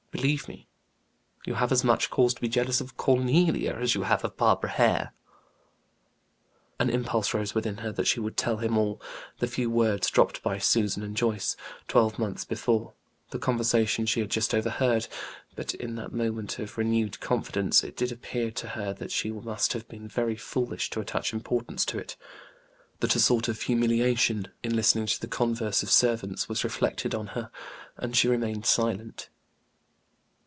Believe me, you have as much cause to be jealous of Cornelia as you have of Barbara Hare." An impulse rose within her that she would tell him all; the few words dropped by Susan and Joyce, twelve months before, the conversation she had just overheard; but in that moment of renewed confidence, it did appear to her that she must have been very foolish to attach importance to it that a sort of humiliation, in listening to the converse of servants, was reflected on her, and she remained silent.